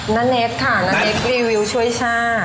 นันเน็กค่ะนันเน็กรีวิวช่วยช่าง